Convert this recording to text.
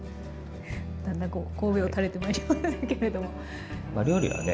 だんだんこう頭を垂れてまいりましたけれども。